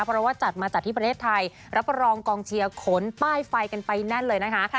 เพราะว่าจัดมาจัดที่ประเทศไทยรับรองกองเชียร์ขนป้ายไฟกันไปแน่นเลยนะคะ